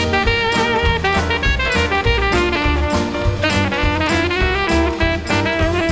โปรดติดตามต่อไป